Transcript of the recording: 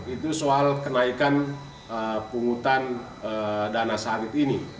itu soal kenaikan penghutan dana sawit ini